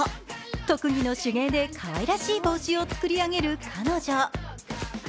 特技の手芸でかわいらしい帽子を作り上げる彼女。